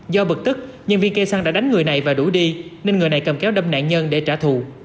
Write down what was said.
do bực tức nhân viên cây xăng đã đánh người này và đuổi đi nên người này cầm kéo đâm nạn nhân để trả thù